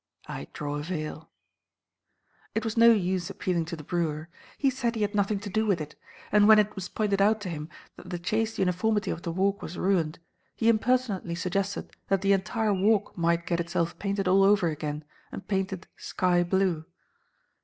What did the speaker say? I draw a veil. It was no use appealing to the brewer. He said he had nothing to do with it; and when it was pointed out to him that the chaste uniformity of the Walk was ruined, he impertinently suggested that the entire Walk might get itself painted all over again, and painted sky blue.